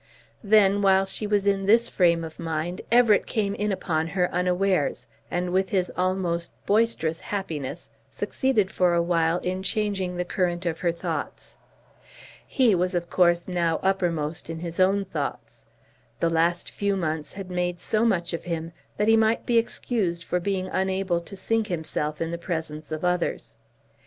Then, while she was in this frame of mind, Everett came in upon her unawares, and with his almost boisterous happiness succeeded for a while in changing the current of her thoughts. He was of course now uppermost in his own thoughts. The last few months had made so much of him that he might be excused for being unable to sink himself in the presence of others.